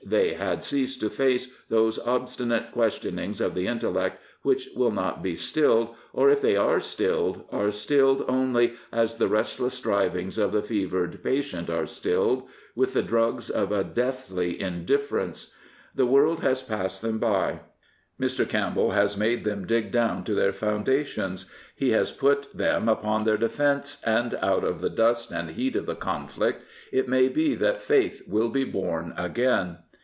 They had ceased to face those obstinate questionings of the intellect which will not be stilled, or, if they are stilled, are stilled only as the restless strivings of the fevered patient are stilled — with the drugs of a deathly in difference. The world was passing them by. Mr. Campbell has made them dig down to their founda tions. He has put them upon their defence, and out of the dust and heat of the conflict it may be that faith will be born again.